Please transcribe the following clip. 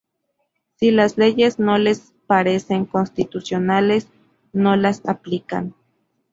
Si las leyes no les parecen constitucionales no las aplican.